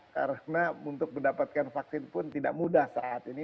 karena untuk mendapatkan vaksin pun tidak mudah saat ini